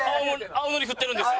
青のり振ってるんです。